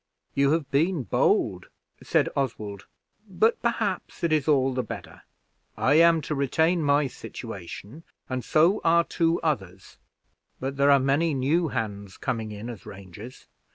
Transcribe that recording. "You have been bold," said Oswald; "but perhaps it is all the better. I am to retain my situation, and so are two others; but there are many new hands coming in as rangers.